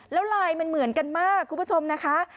แล้วไลน์มันเหมือนกันมากคุณผู้ชมนะคะ